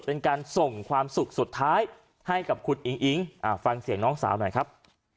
เป็นการส่งความสุขสุดท้ายให้กับคุณอิงอิ๊งฟังเสียงน้องสาวหน่อยครับ